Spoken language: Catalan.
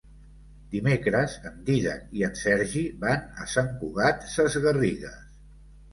Dimecres en Dídac i en Sergi van a Sant Cugat Sesgarrigues.